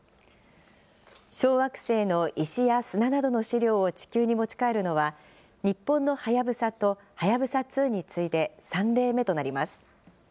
小惑星の石や砂などの試料を地球に持ち帰るのは、日本のはやぶさと、はやぶさ２に次いで３例目となります。